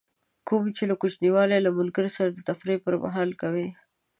کوم چې له کوچنیوالي له ملګري سره د تفریح پر مهال کوئ.